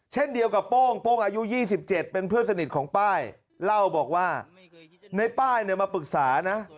เช่นเดียวกับโป้งโป้งอายุ๒๗เป็นเพื่อนสนิทของป้ายเล่าบอกว่าในป้ายเนี่ยมาปรึกษานะ